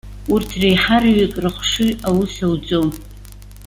Урҭ реиҳараҩык рыхшыҩ аус ауӡом.